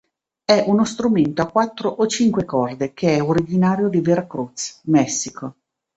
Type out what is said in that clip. È uno strumento a quattro o cinque corde che è originario di Veracruz, Messico.